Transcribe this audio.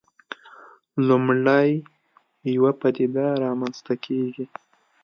لومړی یوه پدیده رامنځته کېږي.